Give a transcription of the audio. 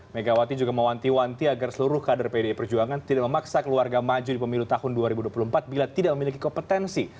megawati juga mewanti wanti agar seluruh kader pdi perjuangan tidak memaksa keluarga maju di pemilu tahun dua ribu dua puluh empat bila tidak memiliki kompetensi